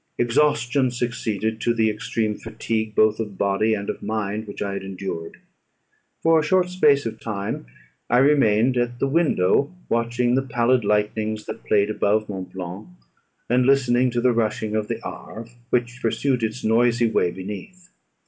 Exhaustion succeeded to the extreme fatigue both of body and of mind which I had endured. For a short space of time I remained at the window, watching the pallid lightnings that played above Mont Blanc, and listening to the rushing of the Arve, which pursued its noisy way beneath.